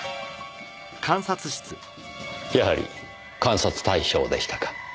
やはり監察対象でしたか。